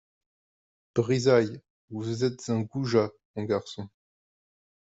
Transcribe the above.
Brizailles, vous êtes un goujat, mon garçon.